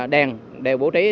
đèn đều bố trí